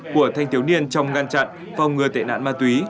của thanh thiếu niên trong ngăn chặn phòng ngừa tệ nạn ma túy